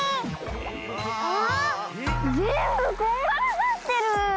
ああぜんぶこんがらがってる。